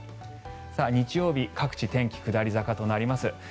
日曜日、各地、天気は下り坂となります。